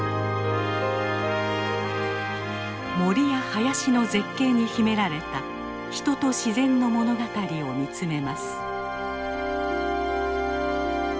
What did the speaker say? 森や林の絶景に秘められた人と自然の物語を見つめます。